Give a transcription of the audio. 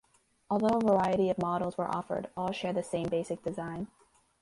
Although a variety of models were offered, all share the same basic design.